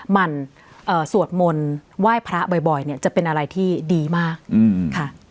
มันสวดมนต์ไหว้พระบ่อยเนี่ยจะเป็นอะไรที่ดีมากค่ะ